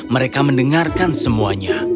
mereka mendengarkan semuanya